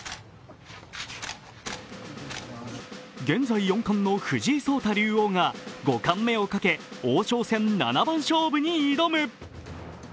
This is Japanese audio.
現在、四冠の藤井聡太竜王が五冠目をかけ、王将戦７番勝負に挑む。